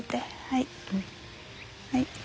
はい。